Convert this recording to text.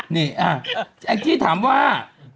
นี่อ่ะแอ๊กจี้ถามว่า